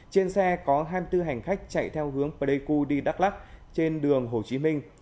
trên xe có hai mươi bốn hành khách chạy theo hướng pleiku đi đắk lắc trên đường hồ chí minh